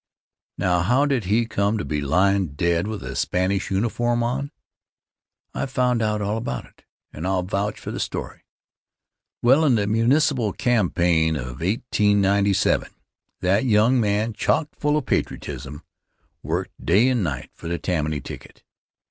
Now, how did he come to be lying dead with a Spanish uniform on? I found out all about it, and I'll vouch for the story. Well, in the municipal campaign of 1897, that young man, chockful of patriotism, worked day and night for the Tammany ticket.